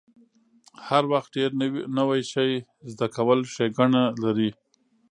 هر وخت ډیر نوی شی زده کول ښېګڼه لري.